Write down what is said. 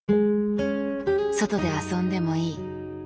「外で遊んでもいい」。